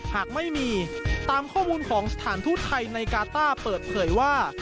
หากไม่มีตามข้อมูลของสถานทูตไทยในกาต้าเปิดเผยว่า